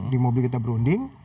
di mobil kita berunding